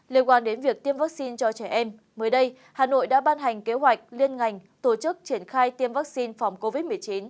liên quan đến việc tiêm vaccine cho trẻ em mới đây hà nội đã ban hành kế hoạch liên ngành tổ chức triển khai tiêm vaccine phòng covid một mươi chín